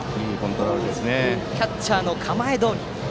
キャッチャーの構えどおり。